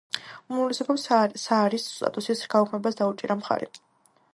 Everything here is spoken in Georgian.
უმრავლესობამ საარის სტატუსის გაუქმებას დაუჭირა მხარი.